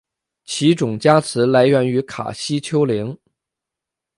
其种加词来源于卡西丘陵。